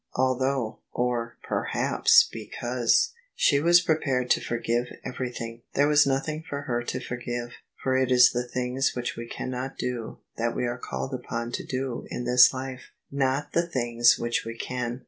Although (or, perhaps, because) she was prepared to forgive everything, there was nothing for her to forgive: for it is the things which we cannot do that we are called upon to do in this life — not the things which we can.